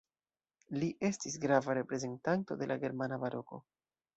Li estis grava reprezentanto de la germana Baroko.